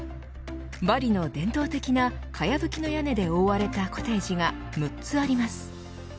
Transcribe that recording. バリの伝統的な茅葺の屋根で覆われたコテージが６つあります。